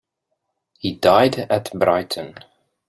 He died at Brighton.